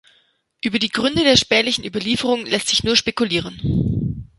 Über die Gründe der spärlichen Überlieferung lässt sich nur spekulieren.